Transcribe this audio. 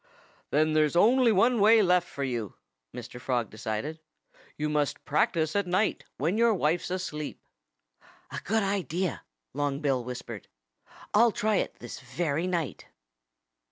"Then there's only one way left for you," Mr. Frog decided. "You must practice at night, when your wife's asleep." "A good idea!" Long Bill whispered. "I'll try it this very night!"